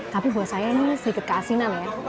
tapi buat saya ini sedikit keasinan ya